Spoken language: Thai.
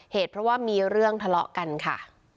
เหตุเพราะว่ามีเรื่องทะเลาะกันค่ะ